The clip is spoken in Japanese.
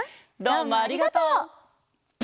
どうもありがとう！